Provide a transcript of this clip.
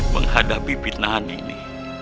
menghadapi fitnahan ini